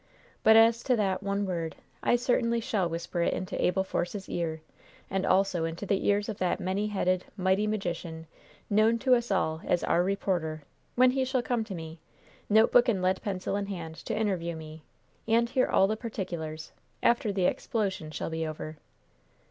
"But as to that 'one word,' I certainly shall whisper it into Abel Force's ear, and also into the ears of that many headed, mighty magician known to us all as 'Our Reporter,' when he shall come to me, notebook and lead pencil in hand, to interview me, and hear all the particulars, after the explosion shall be over."